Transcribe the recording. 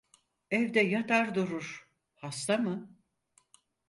Evde yatar durur! Hasta mı?